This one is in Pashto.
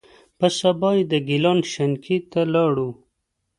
په سبا یې د ګیلان شینکۍ ته ولاړو.